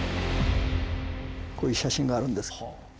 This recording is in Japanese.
こういう写真があるんです。